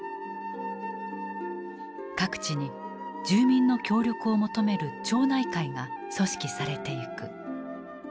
各地に住民の協力を求める「町内会」が組織されていく。